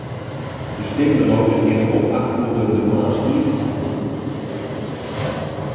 De stimburo's geane om acht oere de moarns iepen.